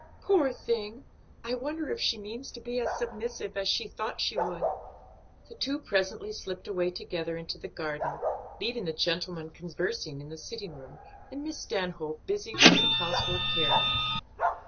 "Poor thing! I wonder if she means to be as submissive as she thought she would." The two presently slipped away together into the garden, leaving the gentlemen conversing in the sitting room, and Miss Stanhope busied with some household care.